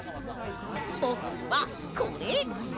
ぼくはこれ！